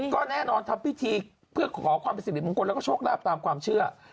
ก็แน่นอนทำพิธีเพื่อขอความเป็นสิริมงคลแล้วก็โชคลาภตามความเชื่อ